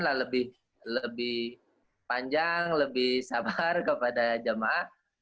lebih panjang lebih sabar kepada jemaah